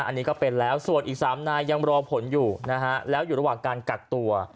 อันนี้ก็เป็นแล้วส่วนอีก๓นายยังรอผลอยู่นะฮะแล้วอยู่ระหว่างการกักตัว